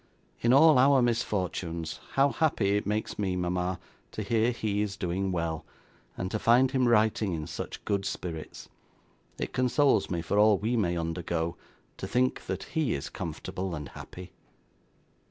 'In all our misfortunes, how happy it makes me, mama, to hear he is doing well, and to find him writing in such good spirits! It consoles me for all we may undergo, to think that he is comfortable and happy.